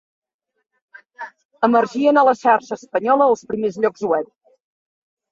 Emergien a la xarxa espanyola els primers llocs web.